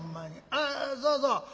ああそうそう。